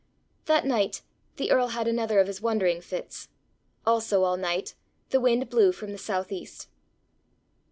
That night the earl had another of his wandering fits; also all night the wind blew from the south east.